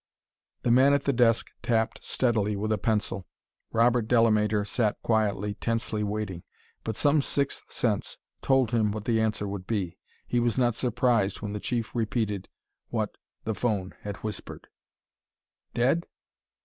The man at the desk tapped steadily with a pencil; Robert Delamater sat quietly, tensely waiting. But some sixth sense told him what the answer would be. He was not surprised when the Chief repeated what the phone had whispered. "Dead?...